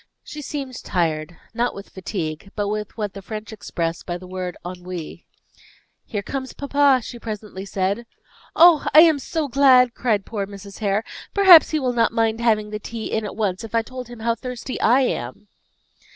She seemed tired, not with fatigue but with what the French express by the word ennui. "Here comes papa," she presently said. "Oh, I am so glad!" cried poor Mrs. Hare. "Perhaps he will not mind having the tea in at once, if I told him how thirsty I am."